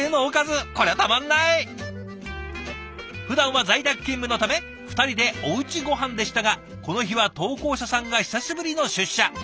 ふだんは在宅勤務のため２人でおうちごはんでしたがこの日は投稿者さんが久しぶりの出社。